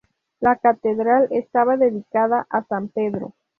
La catedral estaba dedicada a San Pedro.